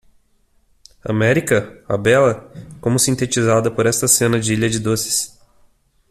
América?, a bela?, como sintetizada por esta cena de ilha de doces.